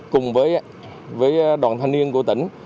cùng với đoàn thanh niên của tỉnh